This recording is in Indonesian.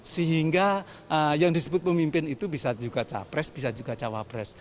sehingga yang disebut pemimpin itu bisa juga capres bisa juga cawapres